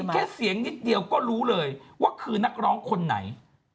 แค่เสียงนิดเดียวก็รู้เลยว่าคือนักร้องคนไหน